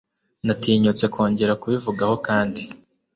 Natinyutse kongera kubivuga ho kandi.